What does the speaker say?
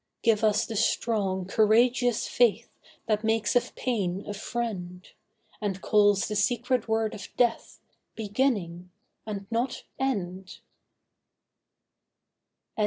Give us the strong, courageous faith That makes of pain a friend, And calls the secret word of death 'Beginning,' and not 'end.